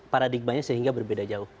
paradigmanya sehingga berbeda jauh